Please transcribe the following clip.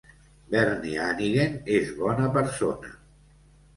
Bernie Hanighen és bona persona.